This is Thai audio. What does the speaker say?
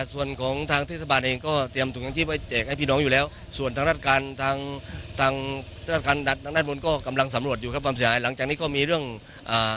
ส่วนของทางทฤษฐบาลเองก็เตรียมตัวจริงออกชีวิตให้ปีน้องอยู่แล้วส่วนทางราชการทางทางราชการดัดรัดมือนก็กำลังสำรวจอยู่ครับผมค่ะหลังจากนี้ก็มีเรื่องอ่า